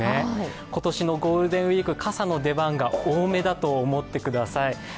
今年のゴールデンウイーク、傘の出番が多めだと思ってください。